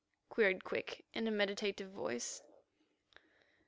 queried Quick in a meditative voice.